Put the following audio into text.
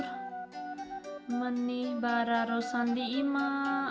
saya ingin mencintai rossa di ima